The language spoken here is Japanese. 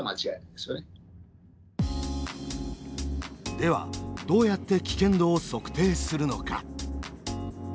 ではどうやって危険度を測定するのか。